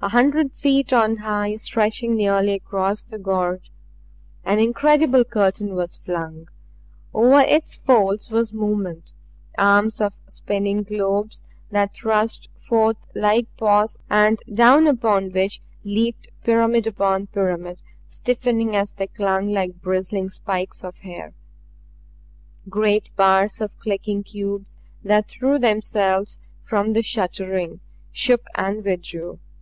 A hundred feet on high, stretching nearly across the gorge, an incredible curtain was flung. Over its folds was movement arms of spinning globes that thrust forth like paws and down upon which leaped pyramid upon pyramid stiffening as they clung like bristling spikes of hair; great bars of clicking cubes that threw themselves from the shuttering shook and withdrew.